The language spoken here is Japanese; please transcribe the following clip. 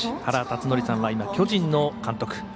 原辰徳さんは巨人の監督。